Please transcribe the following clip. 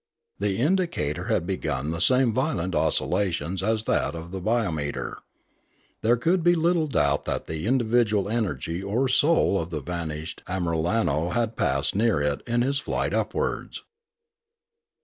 The indicator had begun the same violent oscillations as that of the biometer. There could be little doubt that the individual energy or soul of the vanished Amiralno had passed near it in his flight upwards.